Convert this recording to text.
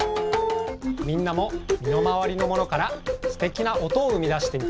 みんなもみのまわりのものからすてきなおとをうみだしてみてね。